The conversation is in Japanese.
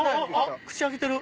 口開けてる！